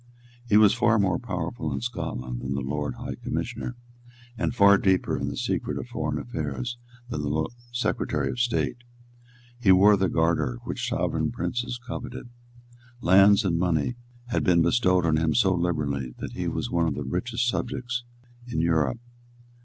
He was far more powerful in Scotland than the Lord High Commissioner, and far deeper in the secret of foreign affairs than the Secretary of State. He wore the Garter, which sovereign princes coveted. Lands and money had been bestowed on him so liberally that he was one of the richest subjects in Europe.